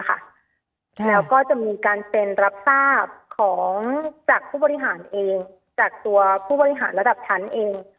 แล้วก็จะมีการเซ็นรับทราบของจากผู้บริหารเองจากตัวผู้บริหารระดับชั้นเอง